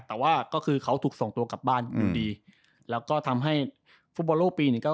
แต่จะต่อข้อก็คือเขาฝุ่งส่งจากบ้านก็คือทำให้ฟุตบลบิลลงกิ้ง๑๙๙๔